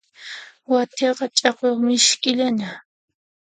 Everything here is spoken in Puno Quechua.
Wathiyaqa ch'akuyuq misk'illana.